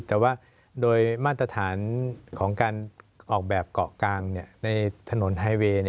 แต่ว่าโดยมาตรฐานของการออกแบบเกาะกลางในถนนไฮเวย์